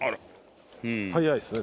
早いですね